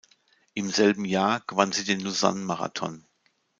Im selben Jahr gewann sie den Lausanne-Marathon.